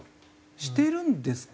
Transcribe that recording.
してるんですか？